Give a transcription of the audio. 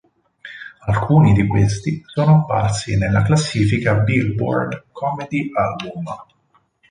Alcuni di questi sono apparsi nella classifica Billboard "Comedy Album".